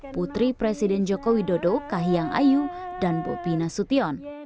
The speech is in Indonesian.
putri presiden jokowi dodo kahiyang ayu dan bopi nasution